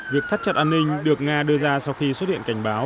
việc thắt chặt an ninh được nga đưa ra sau khi xuất hiện cảnh báo